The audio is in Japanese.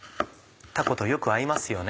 たことよく合いますよね。